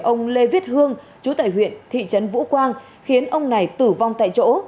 ông lê viết hương chú tại huyện thị trấn vũ quang khiến ông này tử vong tại chỗ